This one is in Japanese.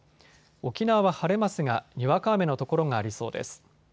沖縄は晴れますが、にわか雨の所がありそうです。